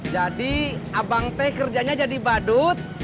jadi abang teh kerjanya jadi badut